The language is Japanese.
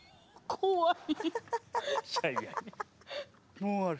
怖い！